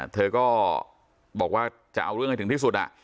เธอก็บอกว่าจะเอาเรื่องให้ถึงที่สุด